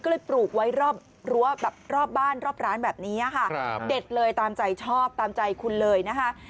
ก็เลยปลูกไว้รอบรั้วแบบรอบบ้านรอบร้านแบบนี้ค่ะเด็ดเลยตามใจชอบตามใจคุณเลยนะคะ